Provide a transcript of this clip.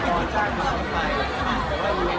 การรับความรักมันเป็นอย่างไร